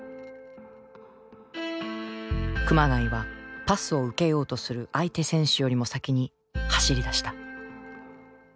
熊谷はパスを受けようとする相手選手よりも先に走りだした。